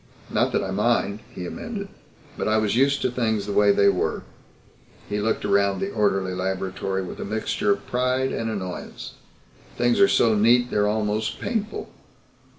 Not that I mind," he amended, "but I was used to things the way they were." He looked around the orderly laboratory with a mixture of pride and annoyance. "Things are so neat they're almost painful."